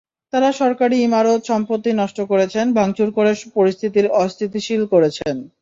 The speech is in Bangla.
তাঁরা সরকারি ইমারত, সম্পত্তি নষ্ট করেছেন, ভাঙচুর করে পরিস্থিতি অস্থিতিশীল করেছেন।